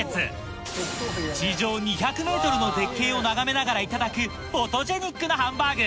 地上２００ｍの絶景を眺めながらいただくフォトジェニックなハンバーグ